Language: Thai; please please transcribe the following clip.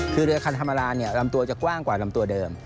คือเรือคันธรรมดาเนี่ยลำตัวจะกว้างกว่าลำตัวเดิม